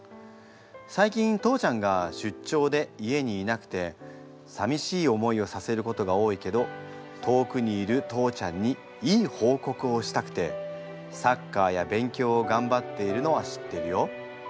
最近父ちゃんが出張で家にいなくてさみしい思いをさせることが多いけど遠くにいる父ちゃんにいい報告をしたくてサッカーや勉強をがんばっているのは知ってるよ。